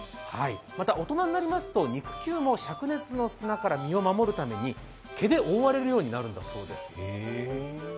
また、大人になりますと肉球も、しゃく熱の砂から身を守るように毛で覆われるようになるんだそうです。